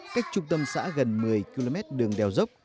cách trung tâm xã gần một mươi km đường đèo dốc